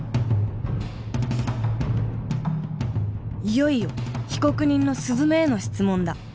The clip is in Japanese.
いよいよ被告人のすずめへの質問だ。